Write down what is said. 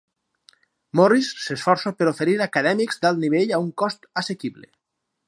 Morris s'esforça per oferir acadèmics d'alt nivell a un cost assequible.